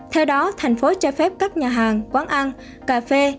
theo đó thành phố cho phép các nhà hàng quán ăn cà phê